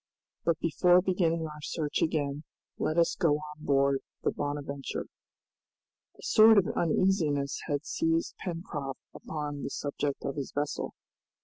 But before beginning our search again let us go on board the 'Bonadventure'." A sort of uneasiness had seized Pencroft upon the subject of his vessel.